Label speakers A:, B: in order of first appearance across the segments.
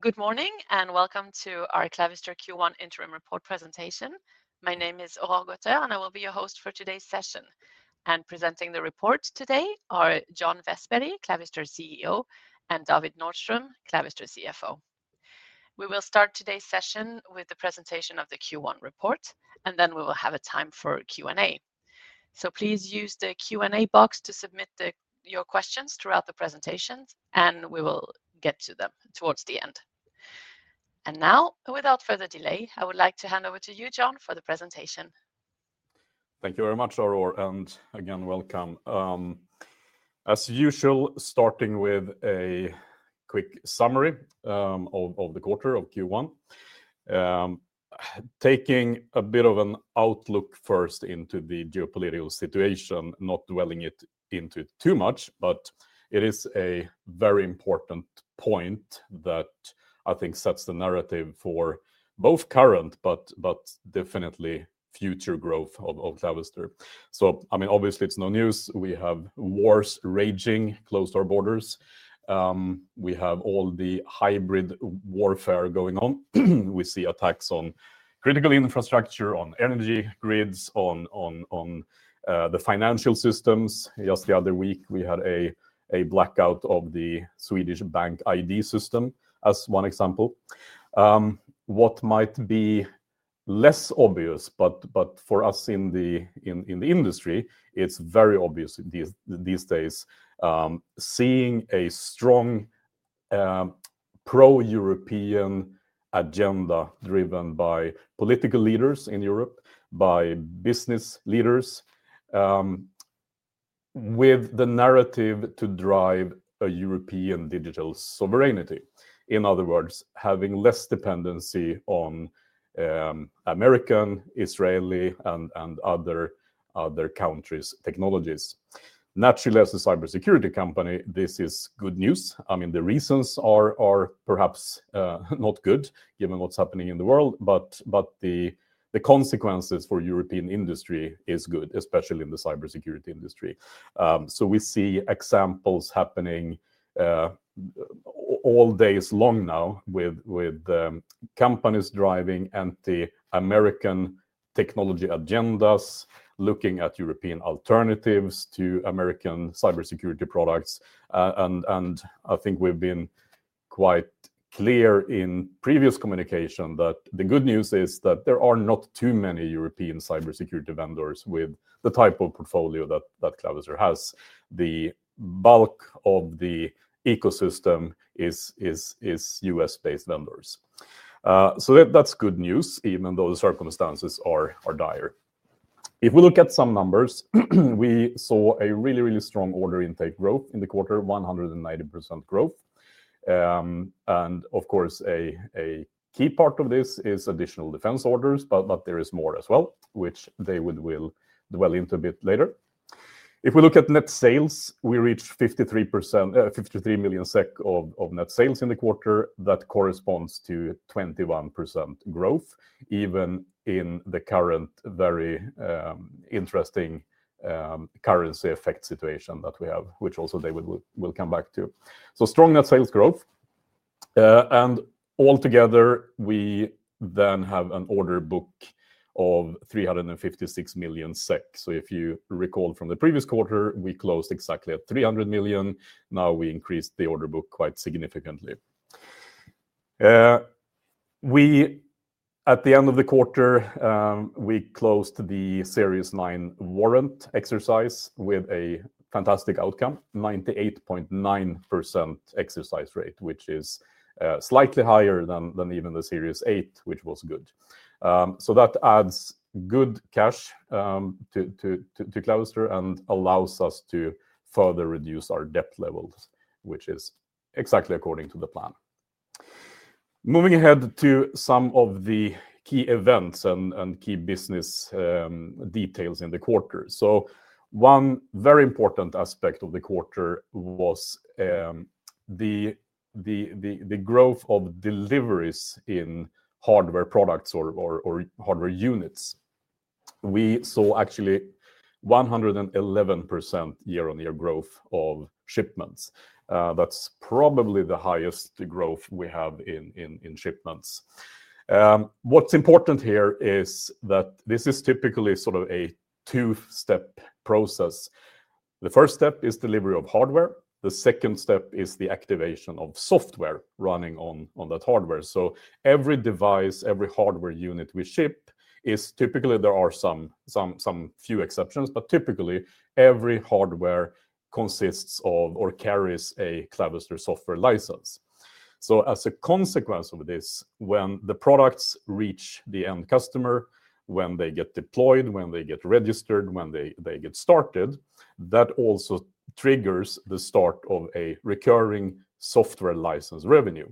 A: Good morning and welcome to our Clavister Q1 Interim Report presentation. My name is Aurore Gautheur, and I will be your host for today's session. Presenting the report today are John Vestberg, Clavister CEO, and David Nordström, Clavister CFO. We will start today's session with the presentation of the Q1 report, and then we will have a time for Q&A. Please use the Q&A box to submit your questions throughout the presentation, and we will get to them towards the end. Now, without further delay, I would like to hand over to you, John, for the presentation.
B: Thank you very much, Aurore, and again, welcome. As usual, starting with a quick summary of the quarter of Q1, taking a bit of an outlook first into the geopolitical situation, not dwelling into it too much, but it is a very important point that I think sets the narrative for both current but definitely future growth of Clavister. I mean, obviously, it's no news. We have wars raging close to our borders. We have all the hybrid warfare going on. We see attacks on critical infrastructure, on energy grids, on the financial systems. Just the other week, we had a blackout of the Swedish bank ID system as one example. What might be less obvious, but for us in the industry, it's very obvious these days seeing a strong pro-European agenda driven by political leaders in Europe, by business leaders, with the narrative to drive a European digital sovereignty. In other words, having less dependency on American, Israeli, and other countries' technologies. Naturally, as a cybersecurity company, this is good news. I mean, the reasons are perhaps not good given what's happening in the world, but the consequences for European industry are good, especially in the cybersecurity industry. We see examples happening all day long now with companies driving anti-American technology agendas, looking at European alternatives to American cybersecurity products. I think we've been quite clear in previous communication that the good news is that there are not too many European cybersecurity vendors with the type of portfolio that Clavister has. The bulk of the ecosystem is US-based vendors. That is good news, even though the circumstances are dire. If we look at some numbers, we saw a really, really strong order intake growth in the quarter, 190% growth. Of course, a key part of this is additional defense orders, but there is more as well, which David will dwell into a bit later. If we look at net sales, we reached 53 million SEK of net sales in the quarter. That corresponds to 21% growth, even in the current very interesting currency effect situation that we have, which also David will come back to. Strong net sales growth. Altogether, we then have an order book of 356 million SEK. If you recall from the previous quarter, we closed exactly at 300 million. Now we increased the order book quite significantly. At the end of the quarter, we closed the Series 9 warrant exercise with a fantastic outcome, 98.9% exercise rate, which is slightly higher than even the Series 8, which was good. That adds good cash to Clavister and allows us to further reduce our debt levels, which is exactly according to the plan. Moving ahead to some of the key events and key business details in the quarter. One very important aspect of the quarter was the growth of deliveries in hardware products or hardware units. We saw actually 111% year-on-year growth of shipments. That is probably the highest growth we have in shipments. What is important here is that this is typically sort of a two-step process. The first step is delivery of hardware. The second step is the activation of software running on that hardware. Every device, every hardware unit we ship is typically, there are some few exceptions, but typically, every hardware consists of or carries a Clavister software license. As a consequence of this, when the products reach the end customer, when they get deployed, when they get registered, when they get started, that also triggers the start of a recurring software license revenue.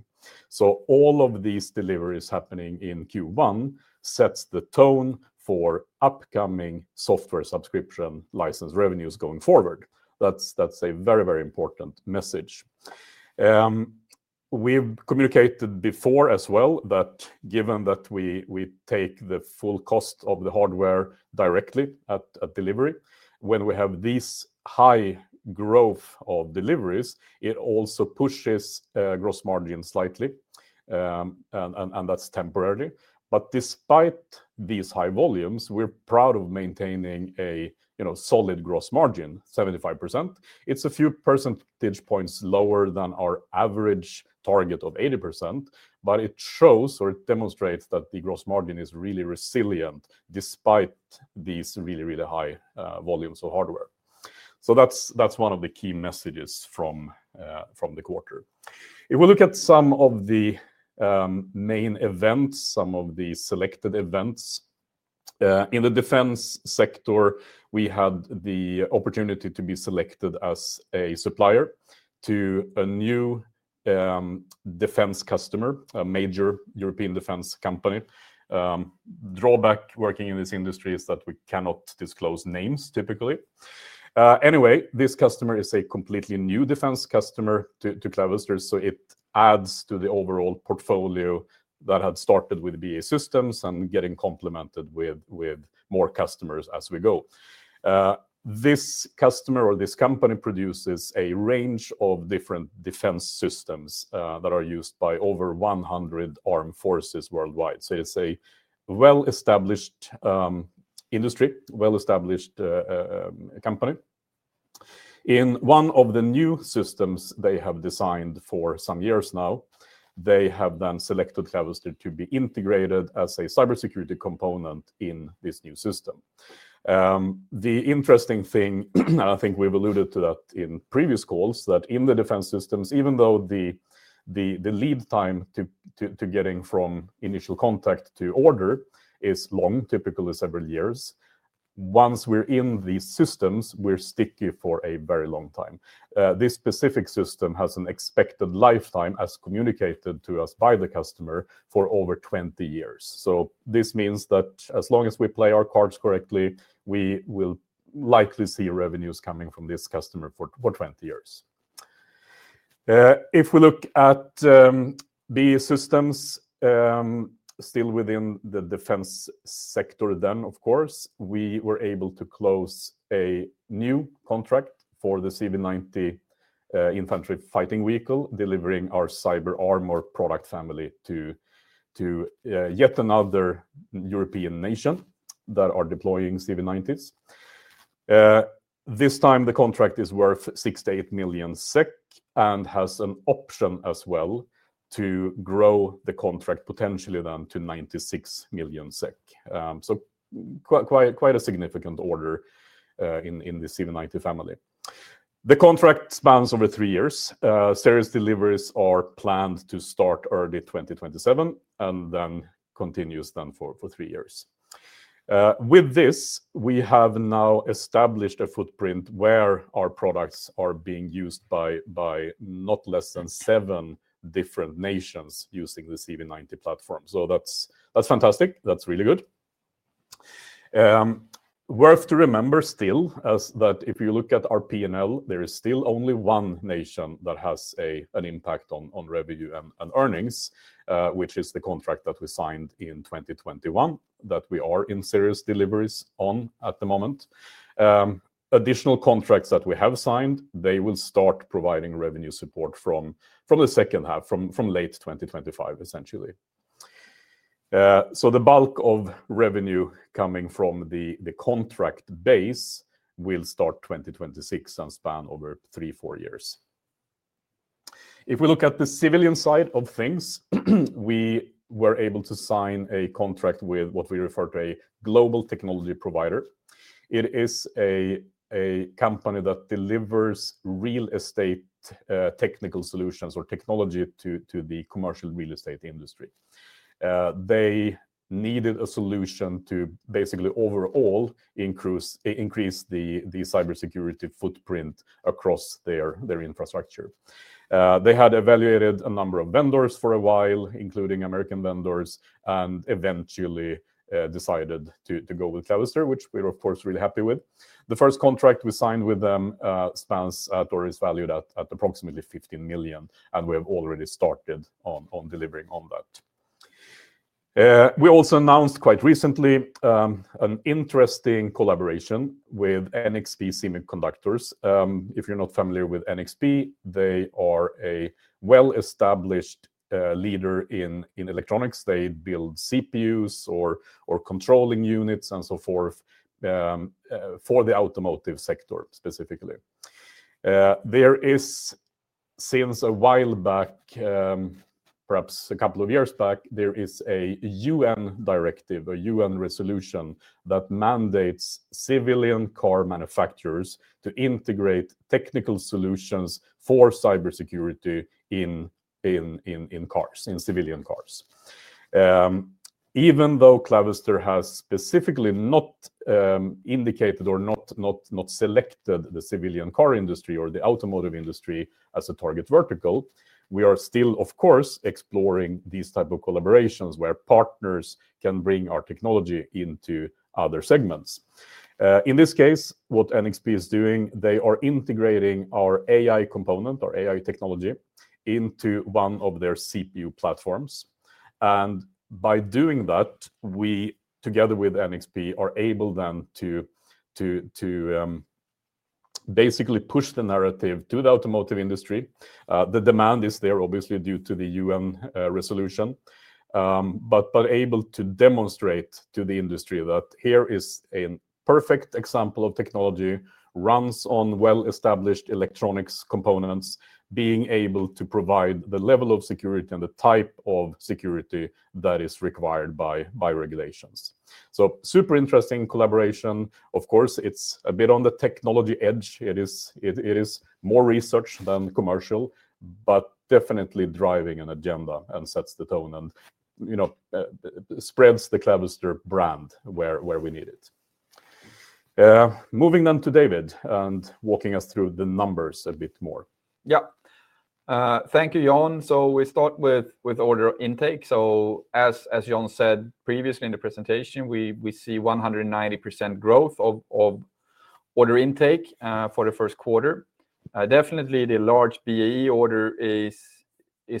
B: All of these deliveries happening in Q1 set the tone for upcoming software subscription license revenues going forward. That is a very, very important message. We have communicated before as well that given that we take the full cost of the hardware directly at delivery, when we have this high growth of deliveries, it also pushes gross margin slightly, and that is temporary. Despite these high volumes, we are proud of maintaining a solid gross margin, 75%. It's a few percentage points lower than our average target of 80%, but it shows or it demonstrates that the gross margin is really resilient despite these really, really high volumes of hardware. That's one of the key messages from the quarter. If we look at some of the main events, some of the selected events, in the defense sector, we had the opportunity to be selected as a supplier to a new defense customer, a major European defense company. Drawback working in this industry is that we cannot disclose names typically. Anyway, this customer is a completely new defense customer to Clavister, so it adds to the overall portfolio that had started with BAE Systems and getting complemented with more customers as we go. This customer or this company produces a range of different defense systems that are used by over 100 armed forces worldwide. It is a well-established industry, well-established company. In one of the new systems they have designed for some years now, they have then selected Clavister to be integrated as a cybersecurity component in this new system. The interesting thing, and I think we have alluded to that in previous calls, that in the defense systems, even though the lead time to getting from initial contact to order is long, typically several years, once we are in these systems, we are sticky for a very long time. This specific system has an expected lifetime, as communicated to us by the customer, for over 20 years. This means that as long as we play our cards correctly, we will likely see revenues coming from this customer for 20 years. If we look at BAE Systems, still within the defense sector then, of course, we were able to close a new contract for the CV90 infantry fighting vehicle, delivering our Cyber Armor product family to yet another European nation that are deploying CV90s. This time, the contract is worth 68 million SEK and has an option as well to grow the contract potentially then to 96 million SEK. Quite a significant order in the CV90 family. The contract spans over three years. Series deliveries are planned to start early 2027 and then continue for three years. With this, we have now established a footprint where our products are being used by not less than seven different nations using the CV90 platform. That is fantastic. That is really good. Worth to remember still is that if you look at our P&L, there is still only one nation that has an impact on revenue and earnings, which is the contract that we signed in 2021 that we are in series deliveries on at the moment. Additional contracts that we have signed, they will start providing revenue support from the second half, from late 2025, essentially. The bulk of revenue coming from the contract base will start 2026 and span over three-four years. If we look at the civilian side of things, we were able to sign a contract with what we refer to as a global technology provider. It is a company that delivers real estate technical solutions or technology to the commercial real estate industry. They needed a solution to basically overall increase the cybersecurity footprint across their infrastructure. They had evaluated a number of vendors for a while, including American vendors, and eventually decided to go with Clavister, which we were, of course, really happy with. The first contract we signed with them spans at or is valued at approximately 15 million, and we have already started on delivering on that. We also announced quite recently an interesting collaboration with NXP Semiconductors. If you're not familiar with NXP, they are a well-established leader in electronics. They build CPUs or controlling units and so forth for the automotive sector specifically. There is, since a while back, perhaps a couple of years back, there is a UN directive, a UN resolution that mandates civilian car manufacturers to integrate technical solutions for cybersecurity in cars, in civilian cars. Even though Clavister has specifically not indicated or not selected the civilian car industry or the automotive industry as a target vertical, we are still, of course, exploring these types of collaborations where partners can bring our technology into other segments. In this case, what NXP is doing, they are integrating our AI component or AI technology into one of their CPU platforms. By doing that, we, together with NXP, are able then to basically push the narrative to the automotive industry. The demand is there, obviously, due to the UN resolution, but able to demonstrate to the industry that here is a perfect example of technology that runs on well-established electronics components, being able to provide the level of security and the type of security that is required by regulations. Super interesting collaboration. Of course, it's a bit on the technology edge. It is more research than commercial, but definitely driving an agenda and sets the tone and spreads the Clavister brand where we need it. Moving then to David and walking us through the numbers a bit more.
C: Yeah. Thank you, John. So we start with order intake. As John said previously in the presentation, we see 190% growth of order intake for the first quarter. Definitely, the large BAE Systems order is,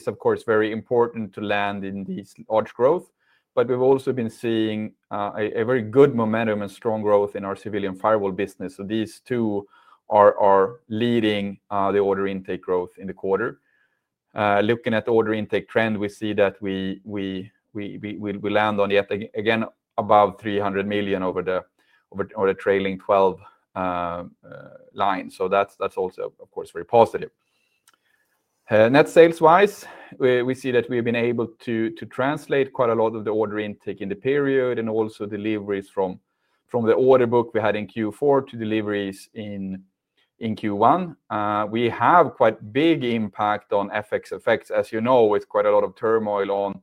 C: of course, very important to land in this large growth, but we've also been seeing a very good momentum and strong growth in our civilian firewall business. These two are leading the order intake growth in the quarter. Looking at the order intake trend, we see that we will land on yet again above 300 million over the trailing 12 months. That is also, of course, very positive. Net sales-wise, we see that we have been able to translate quite a lot of the order intake in the period and also deliveries from the order book we had in Q4 to deliveries in Q1. We have quite a big impact on FX effects, as you know, with quite a lot of turmoil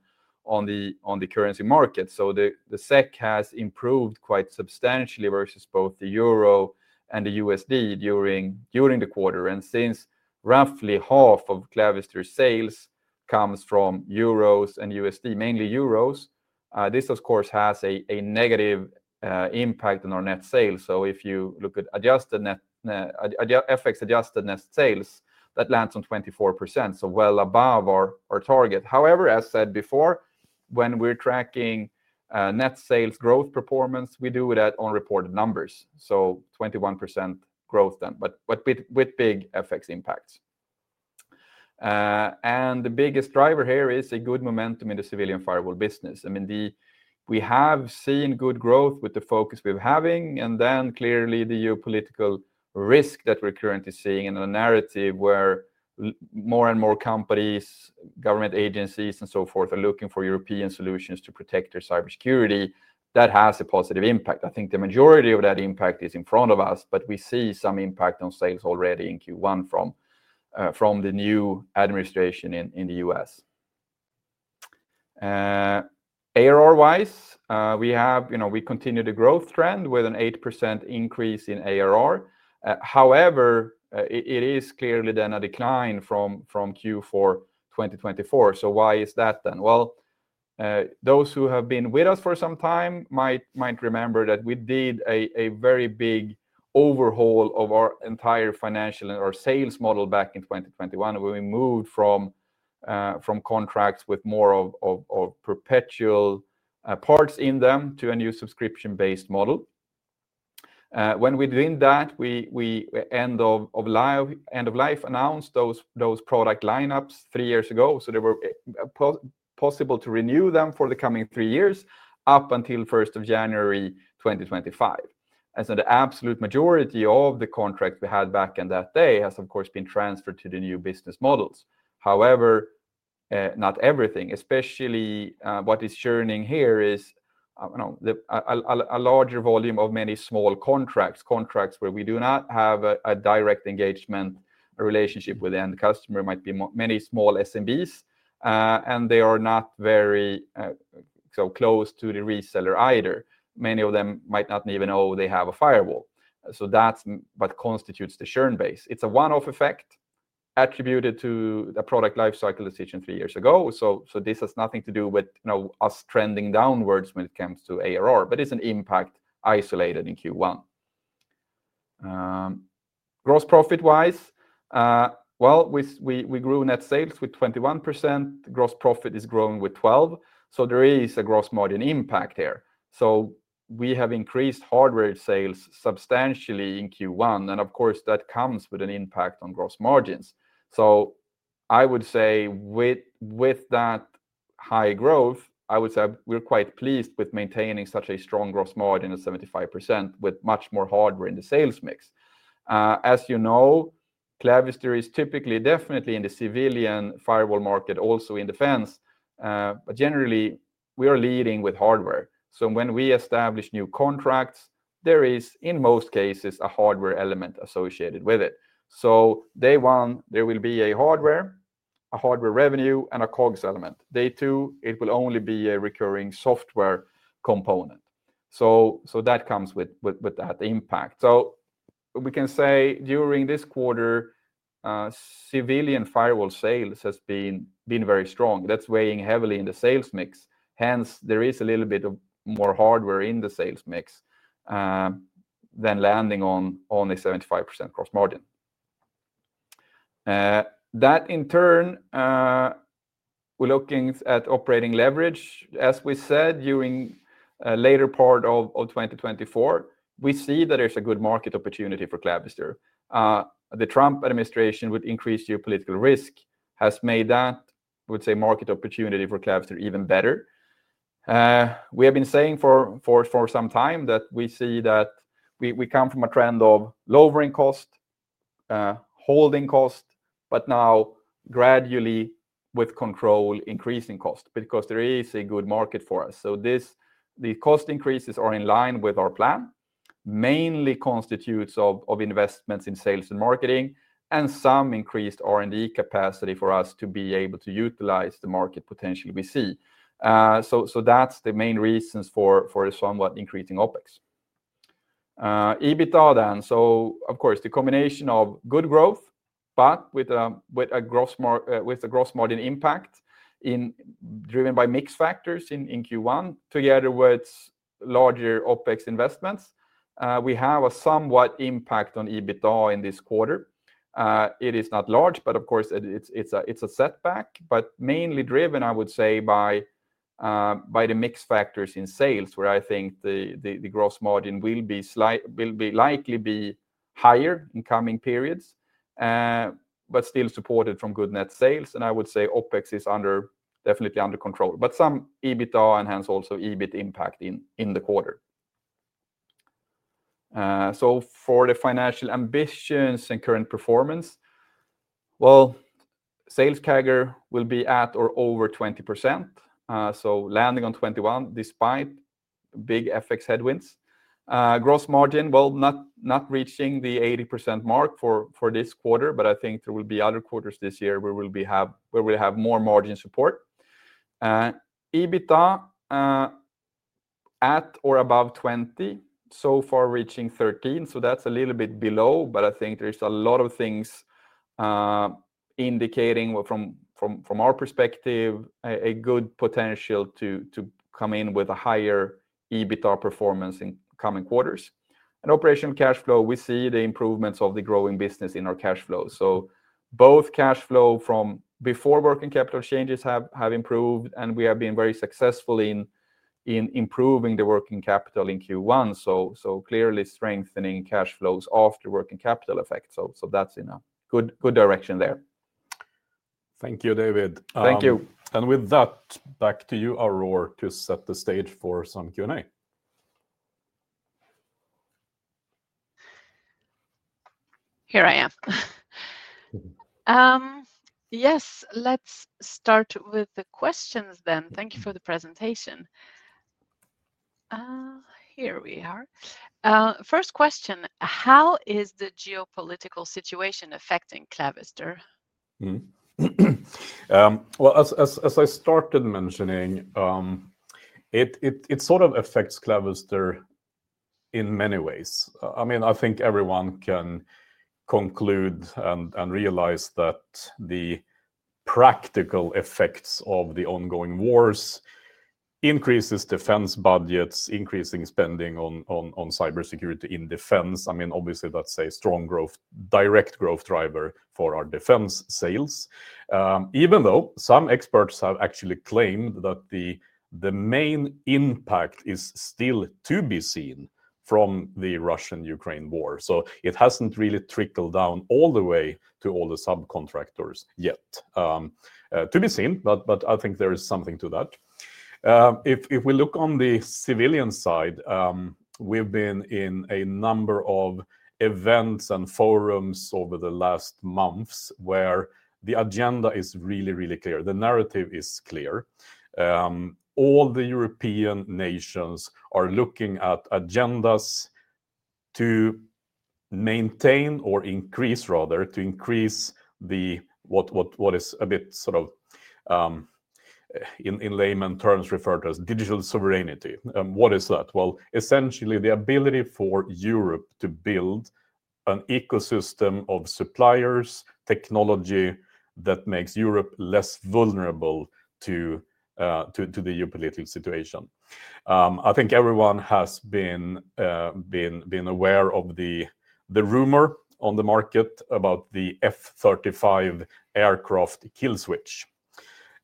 C: on the currency market. The SEK has improved quite substantially versus both the EUR and the USD during the quarter. Since roughly half of Clavister's sales comes from EUR and USD, mainly EUR, this, of course, has a negative impact on our net sales. If you look at FX adjusted net sales, that lands on 24%, so well above our target. However, as said before, when we're tracking net sales growth performance, we do that on reported numbers. 21% growth then, but with big FX impacts. The biggest driver here is a good momentum in the civilian firewall business. I mean, we have seen good growth with the focus we're having, and then clearly the geopolitical risk that we're currently seeing in a narrative where more and more companies, government agencies, and so forth are looking for European solutions to protect their cybersecurity. That has a positive impact. I think the majority of that impact is in front of us, but we see some impact on sales already in Q1 from the new administration in the U.S. ARR-wise, we continue the growth trend with an 8% increase in ARR. However, it is clearly then a decline from Q4 2024. Why is that then? Those who have been with us for some time might remember that we did a very big overhaul of our entire financial and our sales model back in 2021. We moved from contracts with more of perpetual parts in them to a new subscription-based model. When we did that, we end of life announced those product lineups three years ago. They were possible to renew for the coming three years up until January 1, 2025. The absolute majority of the contracts we had back in that day has, of course, been transferred to the new business models. However, not everything, especially what is churning here is a larger volume of many small contracts, contracts where we do not have a direct engagement relationship with the end customer. It might be many small SMBs, and they are not very close to the reseller either. Many of them might not even know they have a firewall. That is what constitutes the churn base. It is a one-off effect attributed to the product lifecycle decision three years ago. This has nothing to do with us trending downwards when it comes to ARR, but it's an impact isolated in Q1. Gross profit-wise, we grew net sales with 21%. Gross profit is growing with 12%. There is a gross margin impact here. We have increased hardware sales substantially in Q1, and of course, that comes with an impact on gross margins. I would say with that high growth, we're quite pleased with maintaining such a strong gross margin of 75% with much more hardware in the sales mix. As you know, Clavister is typically definitely in the civilian firewall market, also in defense, but generally, we are leading with hardware. When we establish new contracts, there is, in most cases, a hardware element associated with it. Day one, there will be a hardware, a hardware revenue, and a COGS element. Day two, it will only be a recurring software component. That comes with that impact. We can say during this quarter, civilian firewall sales have been very strong. That is weighing heavily in the sales mix. Hence, there is a little bit more hardware in the sales mix than landing on a 75% gross margin. That, in turn, we are looking at operating leverage. As we said during a later part of 2024, we see that there is a good market opportunity for Clavister. The Trump administration with increased geopolitical risk has made that, I would say, market opportunity for Clavister even better. We have been saying for some time that we see that we come from a trend of lowering cost, holding cost, but now gradually with control, increasing cost because there is a good market for us. These cost increases are in line with our plan, mainly constitute investments in sales and marketing and some increased R&D capacity for us to be able to utilize the market potential we see. That is the main reason for somewhat increasing OpEx. EBITDA then, of course, the combination of good growth, but with a gross margin impact driven by mixed factors in Q1 together with larger OpEx investments, we have a somewhat impact on EBITDA in this quarter. It is not large, but of course, it is a setback, but mainly driven, I would say, by the mixed factors in sales where I think the gross margin will likely be higher in coming periods, but still supported from good net sales. I would say OpEx is definitely under control, but some EBITDA and hence also EBIT impact in the quarter. For the financial ambitions and current performance, sales CAGR will be at or over 20%, landing on 21% despite big FX headwinds. Gross margin, not reaching the 80% mark for this quarter, but I think there will be other quarters this year where we will have more margin support. EBITDA at or above 20%, so far reaching 13%. That is a little bit below, but I think there is a lot of things indicating from our perspective a good potential to come in with a higher EBITDA performance in coming quarters. Operational cash flow, we see the improvements of the growing business in our cash flow. Both cash flow from before working capital changes have improved, and we have been very successful in improving the working capital in Q1. Clearly strengthening cash flows after working capital effect. That is in a good direction there.
B: Thank you, David.
C: Thank you.
B: And with that, back to you, Aurore, to set the stage for some Q&A.
A: Here I am. Yes, let's start with the questions then. Thank you for the presentation. Here we are. First question, how is the geopolitical situation affecting Clavister?
B: As I started mentioning, it sort of affects Clavister in many ways. I mean, I think everyone can conclude and realize that the practical effects of the ongoing wars increase defense budgets, increasing spending on cybersecurity in defense. I mean, obviously, that's a strong direct growth driver for our defense sales, even though some experts have actually claimed that the main impact is still to be seen from the Russian-Ukraine war. It hasn't really trickled down all the way to all the subcontractors yet. To be seen, but I think there is something to that. If we look on the civilian side, we've been in a number of events and forums over the last months where the agenda is really, really clear. The narrative is clear. All the European nations are looking at agendas to maintain or increase, rather, to increase what is a bit sort of, in layman terms, referred to as digital sovereignty. What is that? Essentially, the ability for Europe to build an ecosystem of suppliers, technology that makes Europe less vulnerable to the geopolitical situation. I think everyone has been aware of the rumor on the market about the F-35 aircraft kill switch,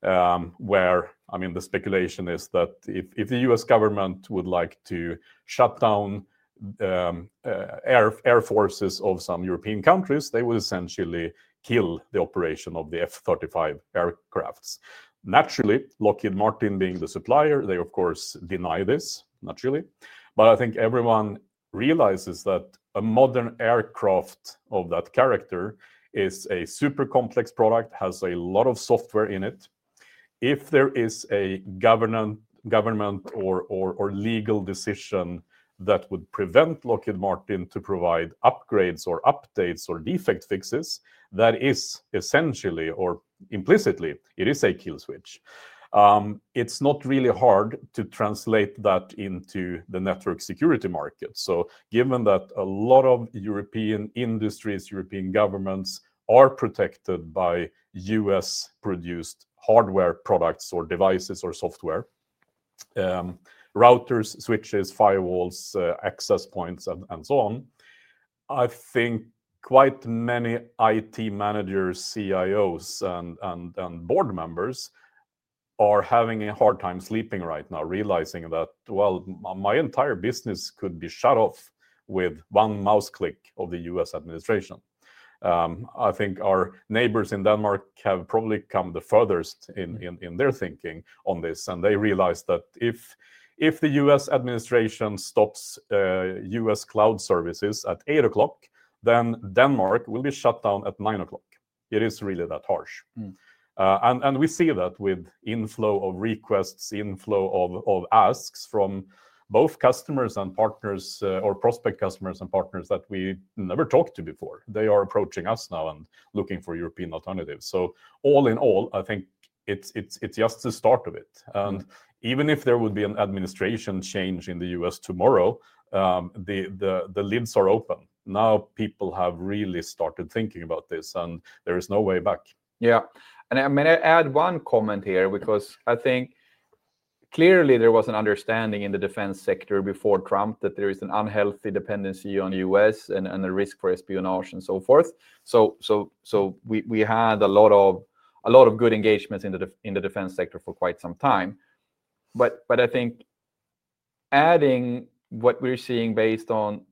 B: where, I mean, the speculation is that if the U.S. government would like to shut down air forces of some European countries, they would essentially kill the operation of the F-35 aircrafts. Naturally, Lockheed Martin being the supplier, they, of course, deny this, naturally. I think everyone realizes that a modern aircraft of that character is a super complex product, has a lot of software in it. If there is a government or legal decision that would prevent Lockheed Martin to provide upgrades or updates or defect fixes, that is essentially or implicitly, it is a kill switch. It's not really hard to translate that into the network security market. Given that a lot of European industries, European governments are protected by US-produced hardware products or devices or software, routers, switches, firewalls, access points, and so on, I think quite many IT managers, CIOs, and board members are having a hard time sleeping right now realizing that, well, my entire business could be shut off with one mouse click of the US administration. I think our neighbors in Denmark have probably come the furthest in their thinking on this, and they realize that if the U.S. administration stops U.S. cloud services at 8:00, then Denmark will be shut down at 9:00. It is really that harsh. We see that with inflow of requests, inflow of asks from both customers and partners or prospect customers and partners that we never talked to before. They are approaching us now and looking for European alternatives. All in all, I think it's just the start of it. Even if there would be an administration change in the U.S. tomorrow, the lids are open. Now people have really started thinking about this, and there is no way back.
C: Yeah. I'm going to add one comment here because I think clearly there was an understanding in the defense sector before Trump that there is an unhealthy dependency on the U.S. and a risk for espionage and so forth. We had a lot of good engagements in the defense sector for quite some time. I think adding what we're seeing based on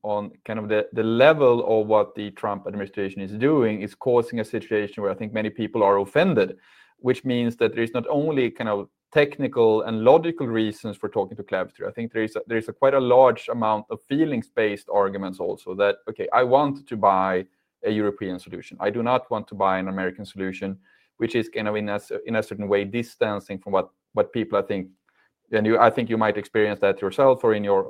C: kind of the level of what the Trump administration is doing is causing a situation where I think many people are offended, which means that there is not only kind of technical and logical reasons for talking to Clavister. I think there is quite a large amount of feelings-based arguments also that, okay, I want to buy a European solution. I do not want to buy an American solution, which is kind of in a certain way distancing from what people, I think, and I think you might experience that yourself or in your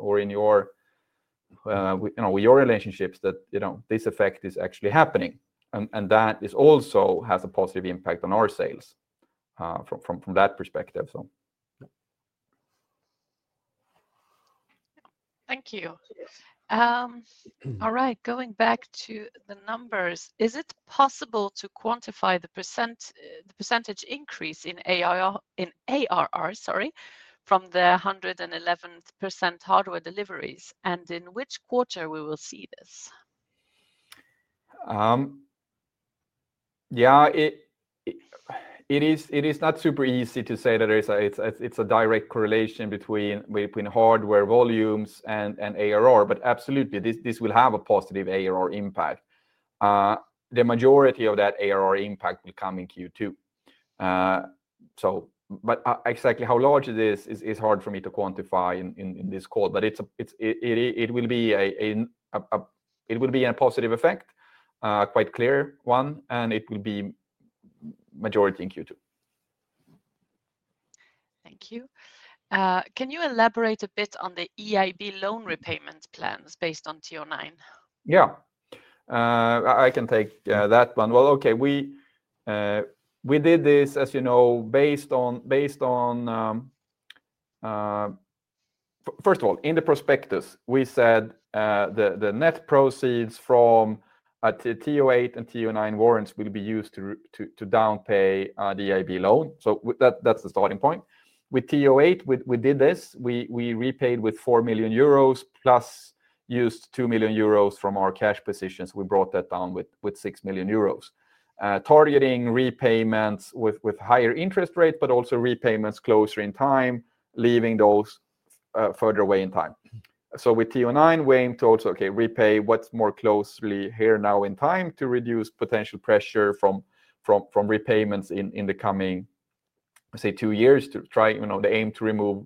C: relationships that this effect is actually happening. That also has a positive impact on our sales from that perspective.
A: Thank you. All right. Going back to the numbers, is it possible to quantify the % increase in ARR, sorry, from the 111% hardware deliveries? In which quarter will we see this?
C: Yeah, it is not super easy to say that it is a direct correlation between hardware volumes and ARR, but absolutely, this will have a positive ARR impact. The majority of that ARR impact will come in Q2. Exactly how large it is, it's hard for me to quantify in this call, but it will be a positive effect, quite a clear one, and it will be majority in Q2.
A: Thank you. Can you elaborate a bit on the EIB loan repayment plans based on Series 9?
C: Yeah, I can take that one. As you know, in the prospectus, we said the net proceeds from Series 8 and Series 9 warrants will be used to downpay the EIB loan. That's the starting point. With Series 8, we did this. We repaid with 4 million euros plus used 2 million euros from our cash positions. We brought that down with 6 million euros, targeting repayments with higher interest rates, but also repayments closer in time, leaving those further away in time. With Series 9, we aim to also, okay, repay what's more closely here now in time to reduce potential pressure from repayments in the coming, say, two years to try, the aim to remove,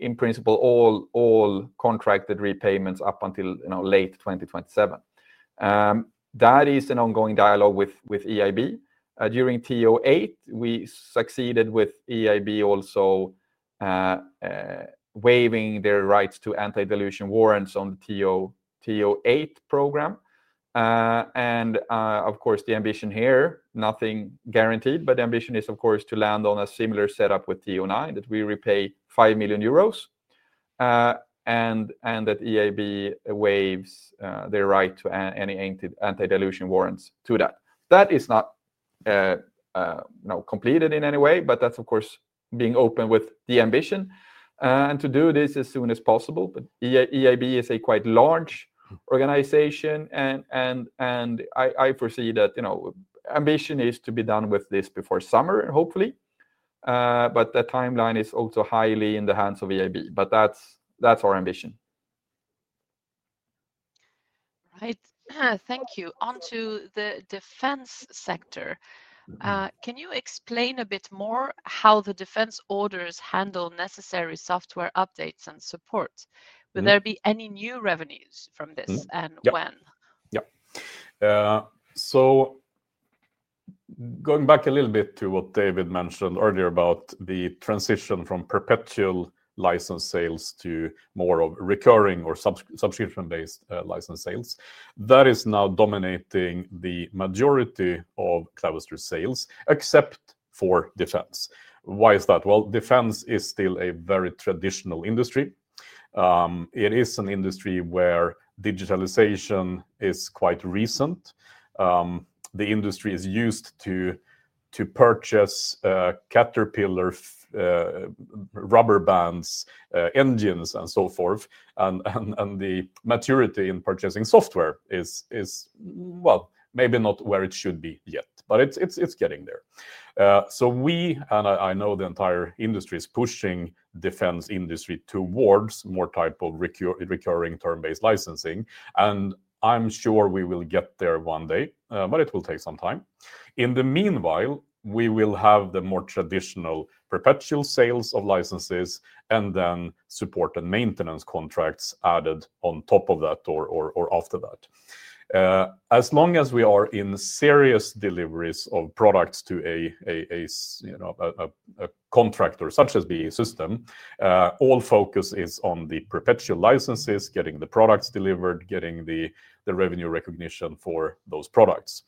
C: in principle, all contracted repayments up until late 2027. That is an ongoing dialogue with EIB. During Series 8, we succeeded with EIB also waiving their rights to anti-dilution warrants on the Series 8 program. Of course, the ambition here, nothing guaranteed, but the ambition is, of course, to land on a similar setup with Series 9 that we repay 5 million euros and that EIB waives their right to any anti-dilution warrants to that. That is not completed in any way, but that's, of course, being open with the ambition and to do this as soon as possible. EIB is a quite large organization, and I foresee that ambition is to be done with this before summer, hopefully. That timeline is also highly in the hands of EIB, but that's our ambition.
A: Right. Thank you. On to the defense sector. Can you explain a bit more how the defense orders handle necessary software updates and support? Will there be any new revenues from this and when?
B: Yeah. Going back a little bit to what David mentioned earlier about the transition from perpetual license sales to more of recurring or subscription-based license sales, that is now dominating the majority of Clavister's sales, except for defense. Why is that? Defense is still a very traditional industry. It is an industry where digitalization is quite recent. The industry is used to purchase caterpillar rubber bands, engines, and so forth. The maturity in purchasing software is, maybe not where it should be yet, but it's getting there. We, and I know the entire industry is pushing the defense industry towards more type of recurring term-based licensing. I'm sure we will get there one day, but it will take some time. In the meanwhile, we will have the more traditional perpetual sales of licenses and then support and maintenance contracts added on top of that or after that. As long as we are in serious deliveries of products to a contractor such as the system, all focus is on the perpetual licenses, getting the products delivered, getting the revenue recognition for those products.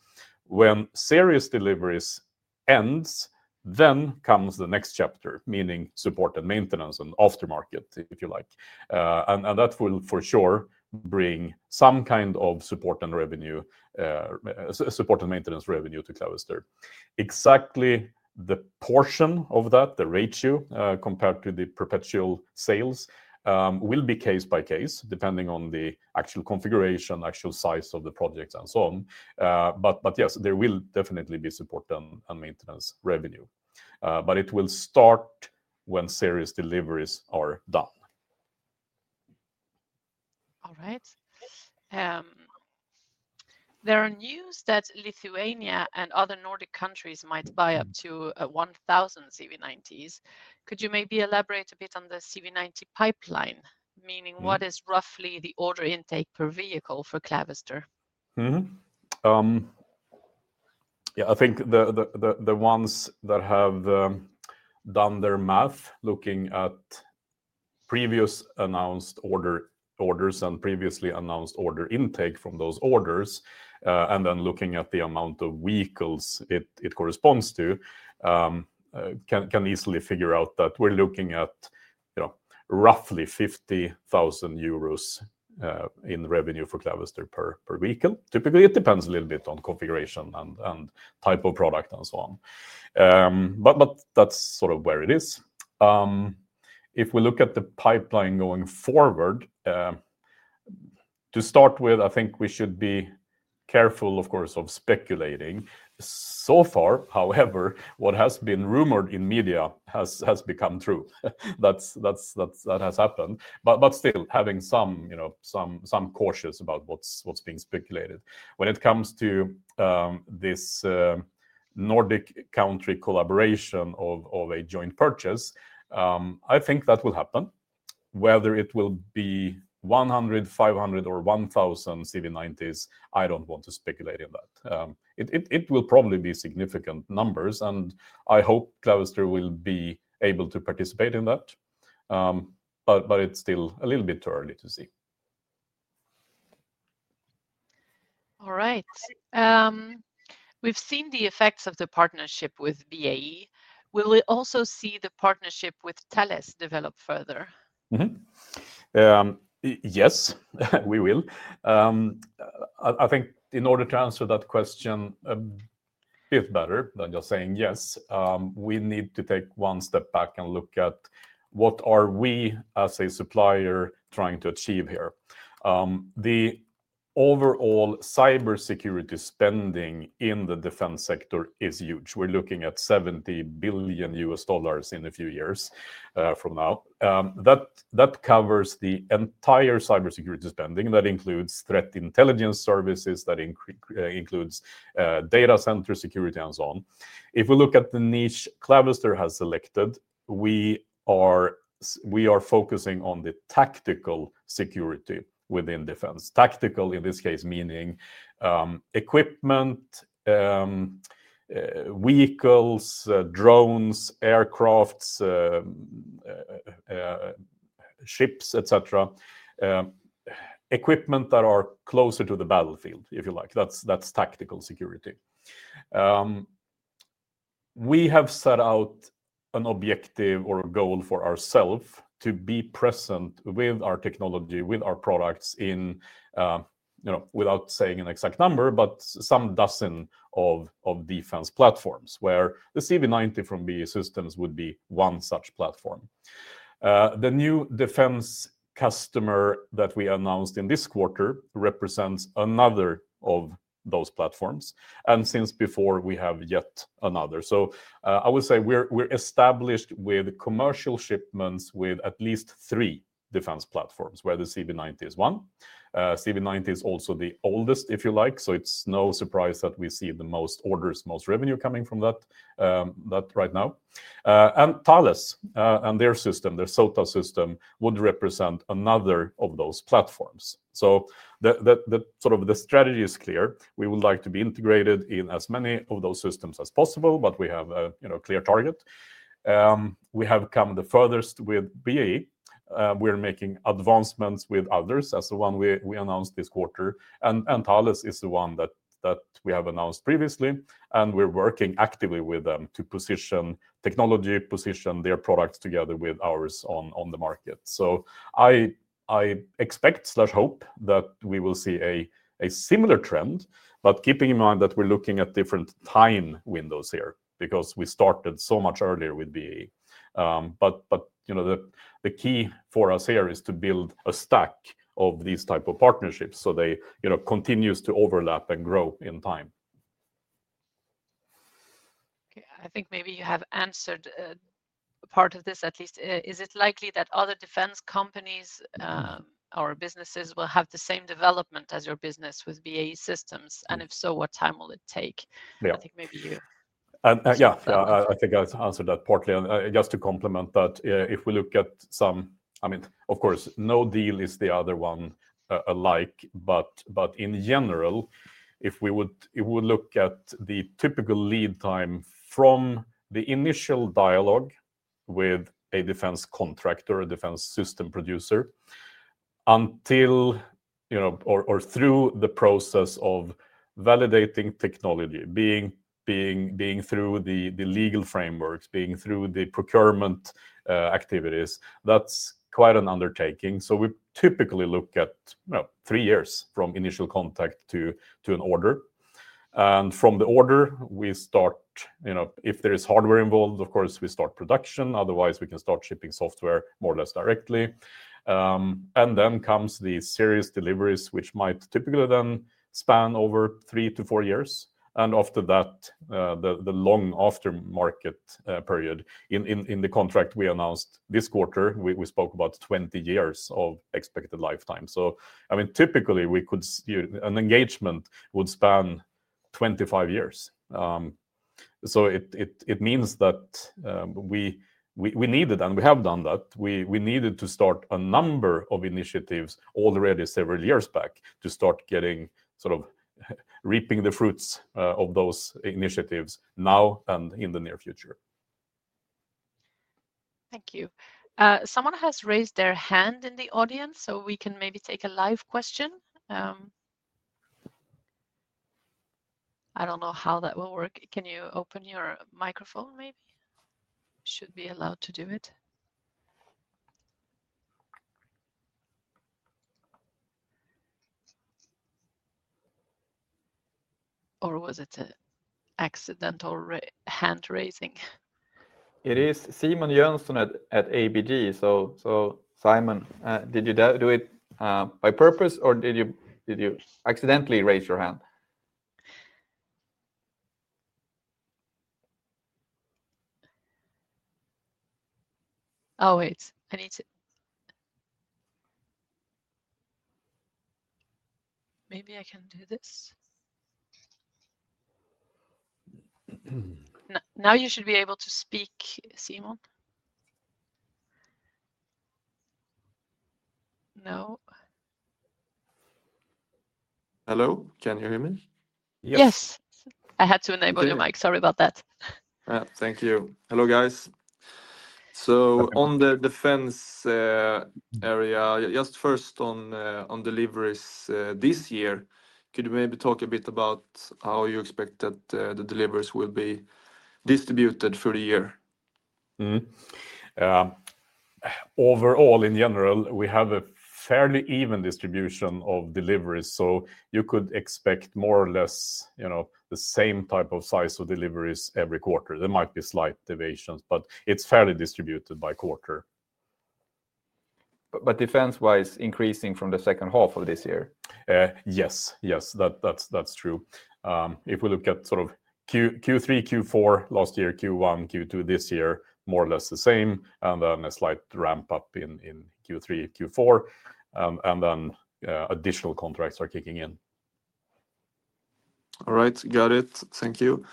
B: When serious deliveries end, then comes the next chapter, meaning support and maintenance and aftermarket, if you like. That will for sure bring some kind of support and maintenance revenue to Clavister. Exactly the portion of that, the ratio compared to the perpetual sales will be case by case depending on the actual configuration, actual size of the project, and so on. Yes, there will definitely be support and maintenance revenue. It will start when serious deliveries are done.
A: All right. There are news that Lithuania and other Nordic countries might buy up to 1,000 CV90s. Could you maybe elaborate a bit on the CV90 pipeline, meaning what is roughly the order intake per vehicle for Clavister?
B: Yeah, I think the ones that have done their math looking at previous announced orders and previously announced order intake from those orders, and then looking at the amount of vehicles it corresponds to, can easily figure out that we're looking at roughly 50,000 euros in revenue for Clavister per vehicle. Typically, it depends a little bit on configuration and type of product and so on. That is sort of where it is. If we look at the pipeline going forward, to start with, I think we should be careful, of course, of speculating. So far, however, what has been rumored in media has become true. That has happened. Still, having some cautious about what is being speculated. When it comes to this Nordic country collaboration of a joint purchase, I think that will happen. Whether it will be 100, 500, or 1,000 CV90s, I do not want to speculate in that. It will probably be significant numbers, and I hope Clavister will be able to participate in that. It is still a little bit too early to see.
A: All right. We have seen the effects of the partnership with BAE. Will we also see the partnership with Thales develop further?
B: Yes, we will. I think in order to answer that question, a bit better than just saying yes, we need to take one step back and look at what are we as a supplier trying to achieve here. The overall cybersecurity spending in the defense sector is huge. We're looking at $70 billion in a few years from now. That covers the entire cybersecurity spending. That includes threat intelligence services, that includes data center security, and so on. If we look at the niche Clavister has selected, we are focusing on the tactical security within defense. Tactical in this case meaning equipment, vehicles, drones, aircraft, ships, et cetera. Equipment that are closer to the battlefield, if you like. That's tactical security. We have set out an objective or a goal for ourself to be present with our technology, with our products in, without saying an exact number, but some dozen of defense platforms where the CV90 from BAE Systems would be one such platform. The new defense customer that we announced in this quarter represents another of those platforms. Since before, we have yet another. I would say we're established with commercial shipments with at least three defense platforms where the CV90 is one. CV90 is also the oldest, if you like. It is no surprise that we see the most orders, most revenue coming from that right now. Thales and their system, their SOTA system, would represent another of those platforms. The strategy is clear. We would like to be integrated in as many of those systems as possible, but we have a clear target. We have come the furthest with BAE. We're making advancements with others as the one we announced this quarter. Thales is the one that we have announced previously. We're working actively with them to position technology, position their products together with ours on the market. I expect or hope that we will see a similar trend, keeping in mind that we're looking at different time windows here because we started so much earlier with BAE. The key for us here is to build a stack of these types of partnerships so they continue to overlap and grow in time.
A: Okay. I think maybe you have answered part of this at least. Is it likely that other defense companies or businesses will have the same development as your business with BAE Systems? If so, what time will it take? I think maybe you—
B: Yeah, I think I've answered that partly. Just to complement that, if we look at some—I mean, of course, no deal is the other one alike. In general, if we would look at the typical lead time from the initial dialogue with a defense contractor, a defense system producer, until or through the process of validating technology, being through the legal frameworks, being through the procurement activities, that's quite an undertaking. We typically look at three years from initial contact to an order. From the order, we start—if there is hardware involved, of course, we start production. Otherwise, we can start shipping software more or less directly. Then comes the serious deliveries, which might typically then span over three to four years. After that, the long aftermarket period in the contract we announced this quarter, we spoke about 20 years of expected lifetime. I mean, typically, an engagement would span 25 years. It means that we needed, and we have done that, we needed to start a number of initiatives already several years back to start getting sort of reaping the fruits of those initiatives now and in the near future.
A: Thank you. Someone has raised their hand in the audience, so we can maybe take a live question. I do not know how that will work. Can you open your microphone, maybe? Should be allowed to do it. Or was it an accidental hand raising?
C: It is Simon Jönsson at ABG. Simon, did you do it by purpose, or did you accidentally raise your hand?
A: Oh, wait. I need to—maybe I can do this. Now you should be able to speak, Simon. No?
D: Hello? Can you hear me?
A: Yes. I had to enable your mic. Sorry about that.
D: Thank you. Hello, guys. On the defense area, just first on deliveries this year, could you maybe talk a bit about how you expect that the deliveries will be distributed for the year?
B: Overall, in general, we have a fairly even distribution of deliveries. You could expect more or less the same type of size of deliveries every quarter. There might be slight deviations, but it is fairly distributed by quarter.
D: Defense-wise, increasing from the second half of this year?
B: Yes. Yes, that is true. If we look at sort of Q3, Q4 last year, Q1, Q2 this year, more or less the same, and then a slight ramp-up in Q3, Q4. Then additional contracts are kicking in.
D: All right. Got it. Thank you.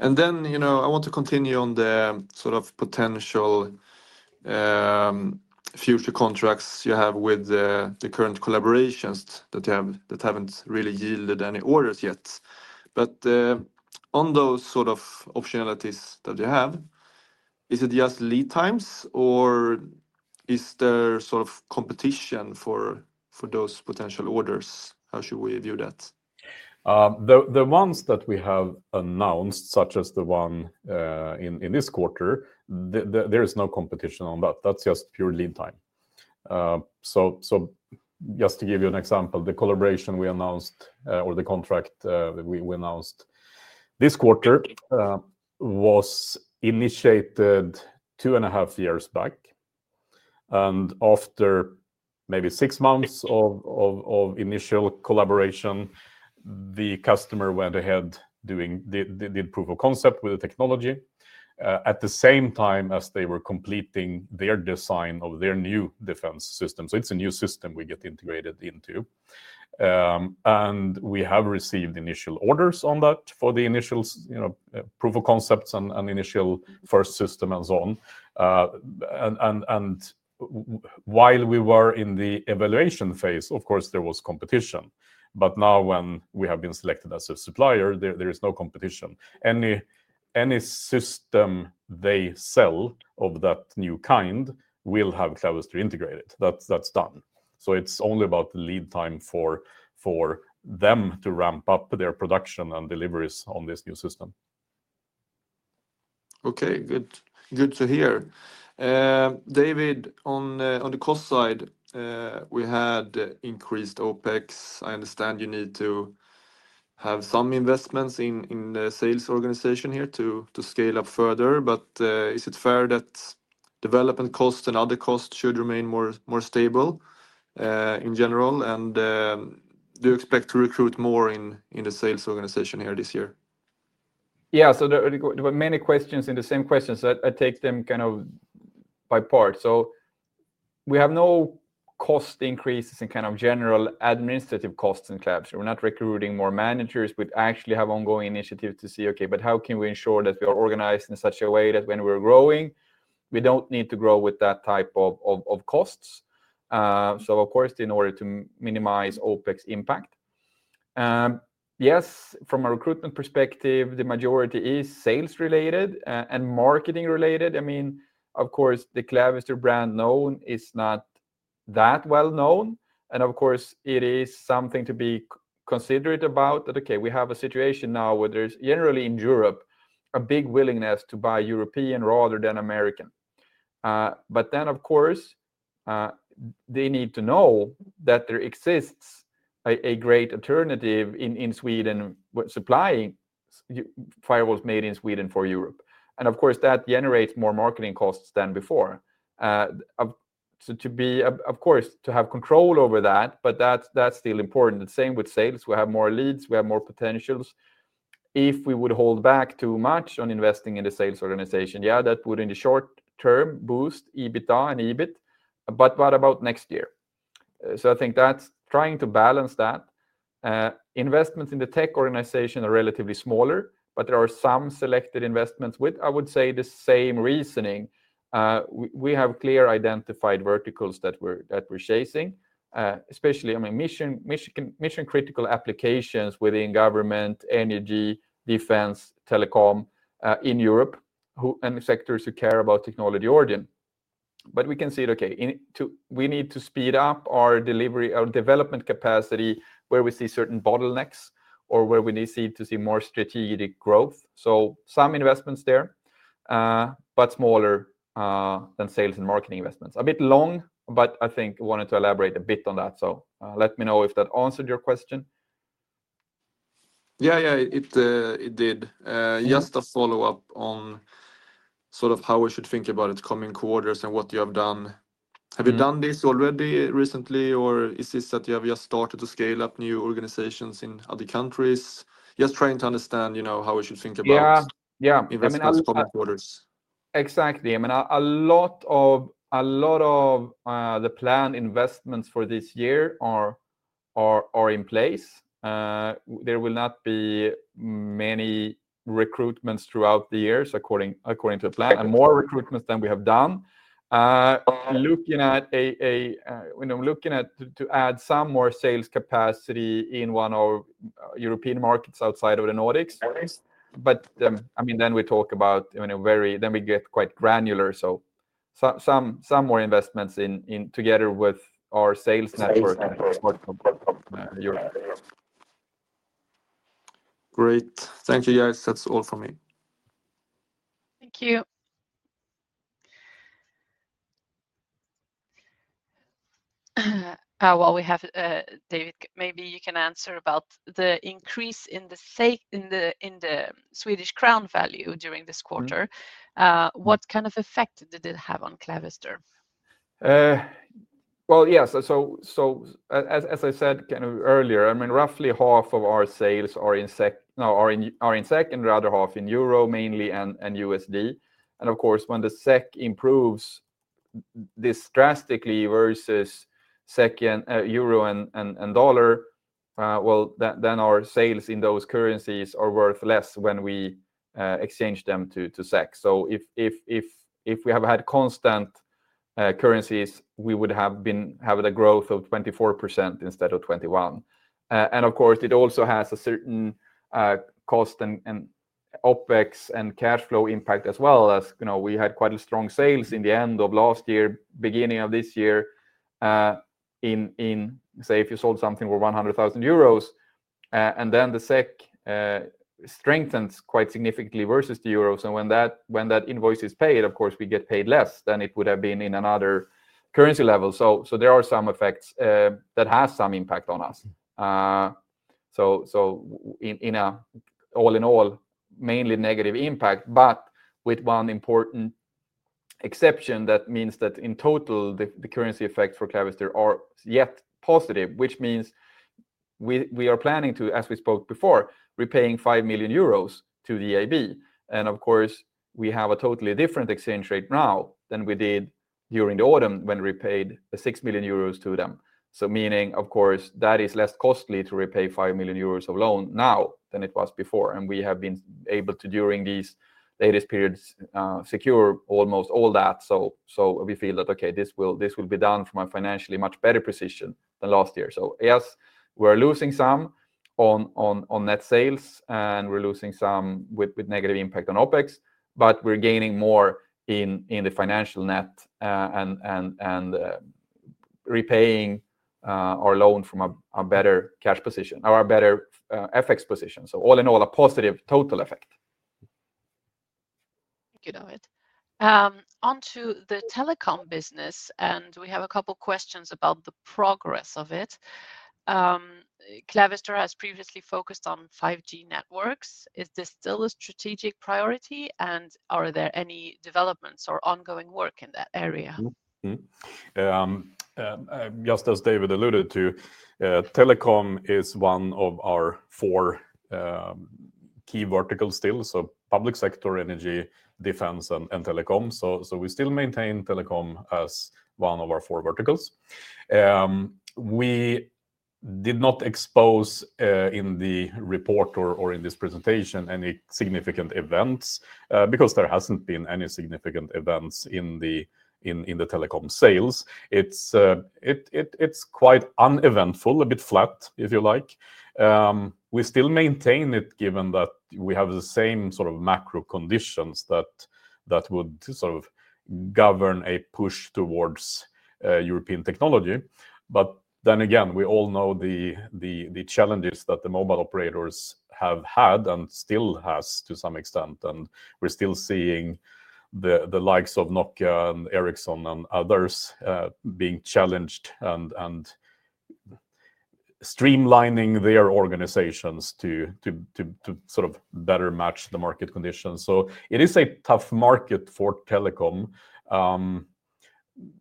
D: I want to continue on the sort of potential future contracts you have with the current collaborations that have not really yielded any orders yet. On those sort of optionalities that you have, is it just lead times, or is there sort of competition for those potential orders? How should we view that?
B: The ones that we have announced, such as the one in this quarter, there is no competition on that. That is just pure lead time. Just to give you an example, the collaboration we announced or the contract we announced this quarter was initiated two and a half years back. After maybe six months of initial collaboration, the customer went ahead and did proof of concept with the technology at the same time as they were completing their design of their new defense system. It is a new system we get integrated into. We have received initial orders on that for the initial proof of concepts and initial first system and so on. While we were in the evaluation phase, of course, there was competition. Now when we have been selected as a supplier, there is no competition. Any system they sell of that new kind will have Clavister integrated. That is done. It is only about the lead time for them to ramp up their production and deliveries on this new system.
D: Okay. Good to hear. David, on the cost side, we had increased OpEx. I understand you need to have some investments in the sales organization here to scale up further. Is it fair that development costs and other costs should remain more stable in general? Do you expect to recruit more in the sales organization here this year?
C: Yeah. There were many questions in the same questions. I take them kind of by part. We have no cost increases in general administrative costs in Clavister. We're not recruiting more managers. We actually have ongoing initiatives to see, okay, how can we ensure that we are organized in such a way that when we're growing, we don't need to grow with that type of costs? Of course, in order to minimize OpEx impact. Yes, from a recruitment perspective, the majority is sales-related and marketing-related. I mean, of course, the Clavister brand known is not that well known. Of course, it is something to be considerate about that, okay, we have a situation now where there is generally in Europe a big willingness to buy European rather than American. Then, of course, they need to know that there exists a great alternative in Sweden supplying firewalls made in Sweden for Europe. Of course, that generates more marketing costs than before. To be, of course, to have control over that, but that is still important. The same with sales. We have more leads. We have more potentials. If we would hold back too much on investing in the sales organization, yeah, that would in the short term boost EBITDA and EBIT. What about next year? I think that is trying to balance that. Investments in the tech organization are relatively smaller, but there are some selected investments with, I would say, the same reasoning. We have clear identified verticals that we're chasing, especially mission-critical applications within government, energy, defense, telecom in Europe and sectors who care about technology origin. We can see it, okay, we need to speed up our development capacity where we see certain bottlenecks or where we need to see more strategic growth. Some investments there, but smaller than sales and marketing investments. A bit long, but I think I wanted to elaborate a bit on that. Let me know if that answered your question.
D: Yeah, yeah, it did. Just a follow-up on sort of how we should think about it coming quarters and what you have done. Have you done this already recently, or is this that you have just started to scale up new organizations in other countries? Just trying to understand how we should think about investments coming quarters.
C: Exactly. I mean, a lot of the planned investments for this year are in place. There will not be many recruitments throughout the years according to the plan and more recruitments than we have done. Looking at to add some more sales capacity in one of European markets outside of the Nordics. I mean, then we talk about then we get quite granular. Some more investments together with our sales network.
D: Great. Thank you, guys. That's all for me.
A: Thank you. We have David. Maybe you can answer about the increase in the Swedish crown value during this quarter. What kind of effect did it have on Clavister?
C: Yeah. As I said kind of earlier, I mean, roughly half of our sales are in SEK and the other half in EUR mainly and USD. Of course, when the SEK improves this drastically versus EUR and USD, our sales in those currencies are worth less when we exchange them to SEK. If we had had constant currencies, we would have had a growth of 24% instead of 21%. Of course, it also has a certain cost and OpEx and cash flow impact as well as we had quite strong sales in the end of last year, beginning of this year. Say if you sold something for 100,000 euros, and then the SEK strengthens quite significantly versus the EUR. When that invoice is paid, we get paid less than it would have been in another currency level. There are some effects that have some impact on us. All in all, mainly negative impact, but with one important exception that means that in total, the currency effects for Clavister are yet positive, which means we are planning to, as we spoke before, repaying 5 million euros to the EIB. Of course, we have a totally different exchange rate now than we did during the autumn when we paid 6 million euros to them. Meaning, of course, that it is less costly to repay 5 million euros of loan now than it was before. We have been able to, during these latest periods, secure almost all that. We feel that, okay, this will be done from a financially much better position than last year. Yes, we're losing some on net sales, and we're losing some with negative impact on OpEx, but we're gaining more in the financial net and repaying our loan from a better cash position or a better FX position. All in all, a positive total effect.
A: Thank you, David. On to the telecom business, and we have a couple of questions about the progress of it. Clavister has previously focused on 5G networks. Is this still a strategic priority, and are there any developments or ongoing work in that area?
B: Just as David alluded to, telecom is one of our four key verticals still, so public sector, energy, defense, and telecom. We still maintain telecom as one of our four verticals. We did not expose in the report or in this presentation any significant events because there hasn't been any significant events in the telecom sales. It's quite uneventful, a bit flat, if you like. We still maintain it given that we have the same sort of macro conditions that would sort of govern a push towards European technology. However, we all know the challenges that the mobile operators have had and still have to some extent. We're still seeing the likes of Nokia and Ericsson and others being challenged and streamlining their organizations to better match the market conditions. It is a tough market for telecom.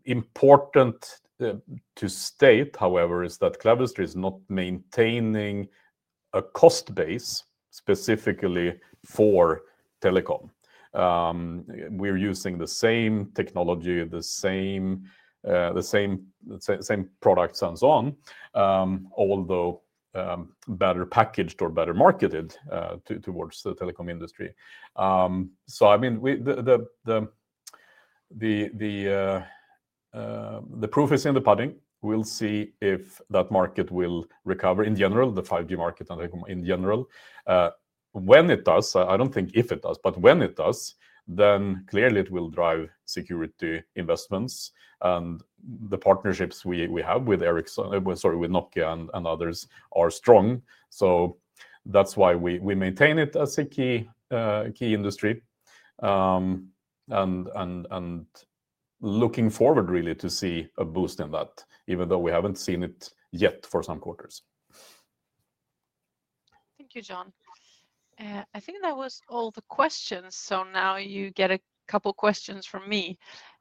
B: Important to state, however, is that Clavister is not maintaining a cost base specifically for telecom. We're using the same technology, the same products, and so on, although better packaged or better marketed towards the telecom industry. I mean, the proof is in the pudding. We'll see if that market will recover in general, the 5G market in general. When it does, I do not think if it does, but when it does, then clearly it will drive security investments. The partnerships we have with Ericsson, sorry, with Nokia and others are strong. That is why we maintain it as a key industry and looking forward really to see a boost in that, even though we have not seen it yet for some quarters.
A: Thank you, John. I think that was all the questions. Now you get a couple of questions from me.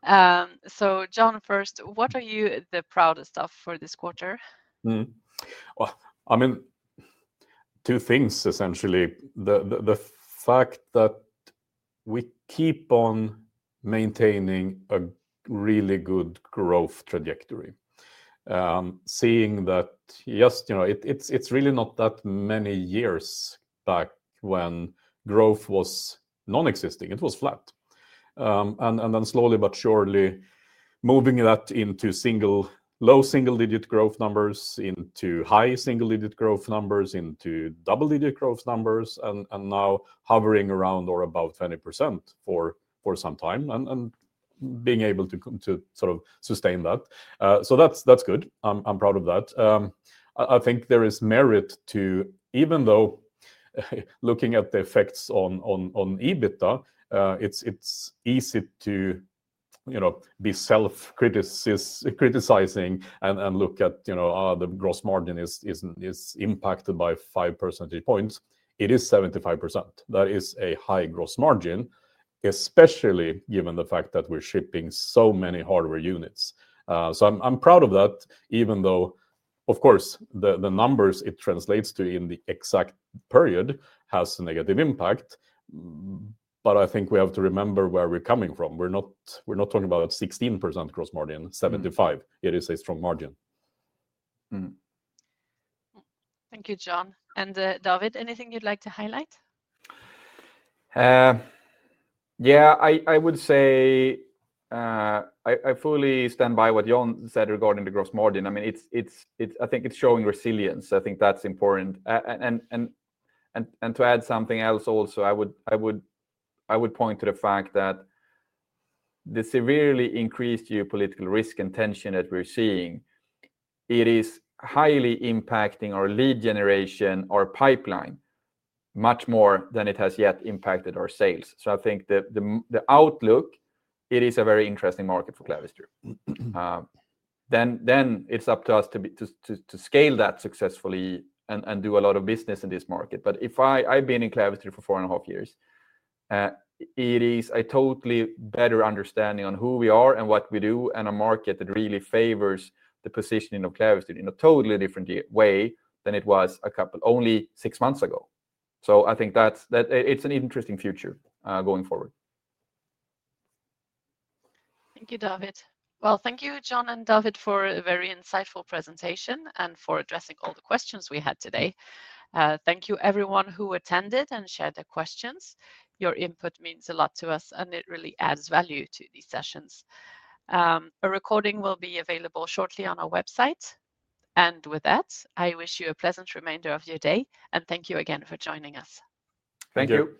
A: John, first, what are you the proudest of for this quarter?
B: I mean, two things, essentially. The fact that we keep on maintaining a really good growth trajectory, seeing that, yes, it is really not that many years back when growth was non-existing. It was flat. Then slowly but surely moving that into low single-digit growth numbers, into high single-digit growth numbers, into double-digit growth numbers, and now hovering around or above 20% for some time and being able to sort of sustain that. That is good. I'm proud of that. I think there is merit to, even though looking at the effects on EBITDA, it's easy to be self-criticizing and look at the gross margin is impacted by 5 percentage points. It is 75%. That is a high gross margin, especially given the fact that we're shipping so many hardware units. I'm proud of that, even though, of course, the numbers it translates to in the exact period have a negative impact. I think we have to remember where we're coming from. We're not talking about 16% gross margin, 75%. It is a strong margin. Thank you, John.
A: David, anything you'd like to highlight?
C: Yeah, I would say I fully stand by what John said regarding the gross margin. I mean, I think it's showing resilience. I think that's important. To add something else also, I would point to the fact that the severely increased geopolitical risk and tension that we're seeing, it is highly impacting our lead generation, our pipeline, much more than it has yet impacted our sales. I think the outlook, it is a very interesting market for Clavister. It is up to us to scale that successfully and do a lot of business in this market. If I've been in Clavister for four and a half years, it is a totally better understanding on who we are and what we do and a market that really favors the positioning of Clavister in a totally different way than it was only six months ago. I think it's an interesting future going forward.
A: Thank you, David. Thank you, John and David, for a very insightful presentation and for addressing all the questions we had today. Thank you, everyone who attended and shared their questions. Your input means a lot to us, and it really adds value to these sessions. A recording will be available shortly on our website. With that, I wish you a pleasant remainder of your day, and thank you again for joining us.
C: Thank you.